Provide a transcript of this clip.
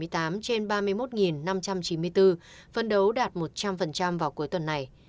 một mươi sáu năm trăm bảy mươi tám trên ba mươi một năm trăm chín mươi bốn phân đấu đạt một trăm linh vào cuối tuần này